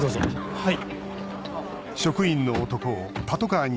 はい。